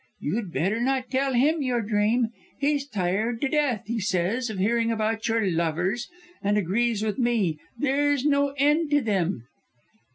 You'd better not tell him your dream. He's tired to death, he says, of hearing about your lovers, and agrees with me there's no end to them."